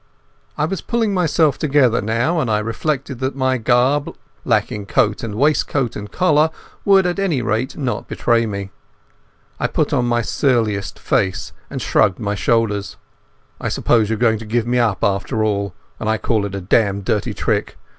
I was pulling myself together now, and I reflected that my garb, lacking coat and waistcoat and collar, would at any rate not betray me. I put on my surliest face and shrugged my shoulders. "I suppose you're going to give me up after all, and I call it a damned dirty trick.